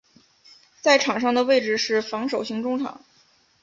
在场上的位置是防守型中场。